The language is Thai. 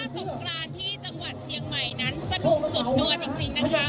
ต้องบอกว่าสงกราศที่จังหวัดเชียงใหม่นั้นจะถูกสดนัวจริงจริงนะครับ